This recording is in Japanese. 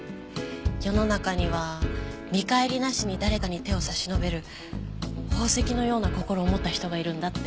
世の中には見返りなしに誰かに手を差し伸べる宝石のような心を持った人がいるんだって。